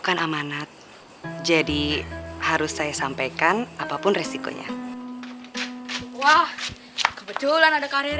bukan amanat jadi harus saya sampaikan apapun risikonya wah kebetulan ada karir